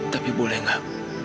tapi boleh gak